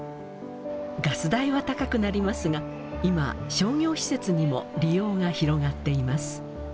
ガス代は高くなりますが今商業施設にも利用が広がっています。